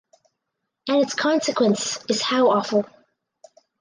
And its consequence is how awful.